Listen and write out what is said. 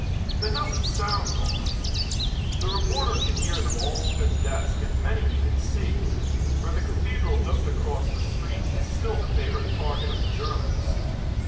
That doesn't sound hard. The reporter can hear them all from his desk and many he can see, for the cathedral just across the street is still the favorite target of the Germans.